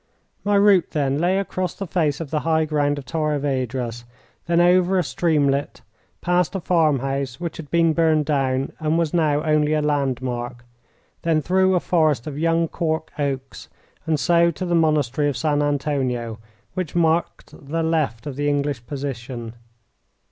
My route, then, lay across the face of the high ground of Torres Vedras, then over a streamlet, past a farmhouse which had been burned down and was now only a landmark, then through a forest of young cork oaks, and so to the monastery of San Antonio, which marked the left of the English position.